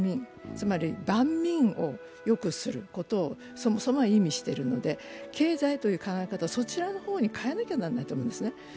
つまり万民をよくすることをそもそもは意味しているので経済という考え方をそちらの方に変えなきゃいけないと思うんです。